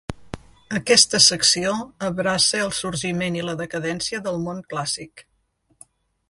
Aquesta secció abraça el sorgiment i la decadència del món clàssic.